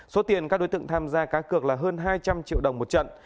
số tiền các đối tượng tham gia cá cược là hơn hai trăm linh triệu đồng một trận